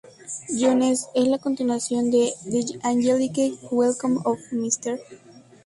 Jones" es la continuación de "The Angelic Welcome of Mr.